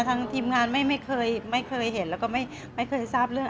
ทีมงานไม่เคยไม่เคยเห็นแล้วก็ไม่เคยทราบเรื่อง